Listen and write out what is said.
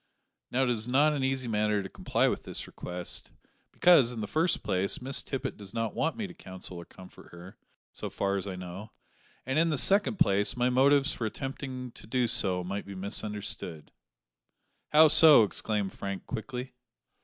Now, it is not an easy matter to comply with this request, because, in the first place, Miss Tippet does not want me to counsel or comfort her, so far as I know; and, in the second place, my motives for attempting to do so might be misunderstood." "How so?" exclaimed Frank quickly.